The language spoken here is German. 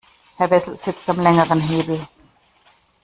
Herr Wessel sitzt am längeren Hebel.